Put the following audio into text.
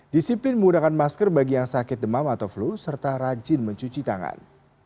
disiplin menggunakan masker bagi yang sakit demam atau flu serta rajin mencuci tangan